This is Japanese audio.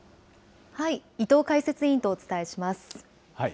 伊藤解説委員とお伝えします。